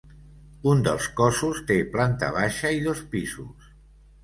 Un dels cossos té planta baixa i dos pisos.